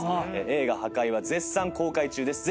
映画『破戒』は絶賛公開中です。